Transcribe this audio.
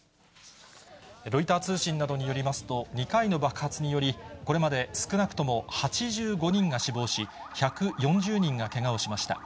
ロイター通信などによりますと、２回の爆発により、これまで少なくとも８５人が死亡し、１４０人がけがをしました。